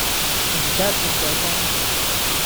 而家轉咗工